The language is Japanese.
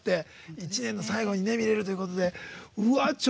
１年の最後に見られるということで。